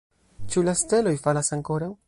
Ĉu la steloj falas ankoraŭ?